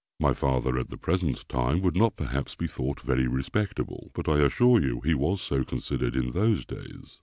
My father, at the present time, would not, perhaps, be thought very respectable; but I assure you he was so considered in those days.